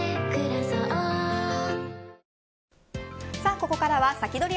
ここからはサキドリ！